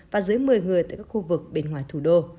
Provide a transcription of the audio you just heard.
và dưới một mươi người tại các khu vực bên ngoài thủ đô